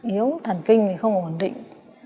yếu thần kinh thì không ổn định